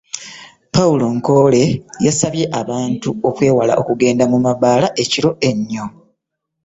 Paul Nkore, yasabye abantu okwewala okugenda mu mabaala ekiro ennyo